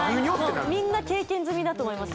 もうみんな経験済みだと思います